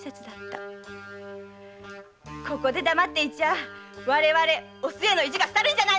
ここで黙っていちゃ我々お末の意地がすたるんじゃないのかい。